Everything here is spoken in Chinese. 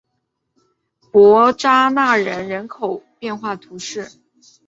伯扎讷人口变化图示